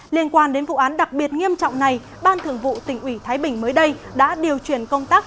liên quan đến vụ án đặc biệt nghiêm trọng này ban thường vụ tỉnh ủy thái bình mới đây đã điều chuyển công tác